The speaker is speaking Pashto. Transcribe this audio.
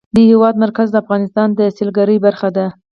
د هېواد مرکز د افغانستان د سیلګرۍ برخه ده.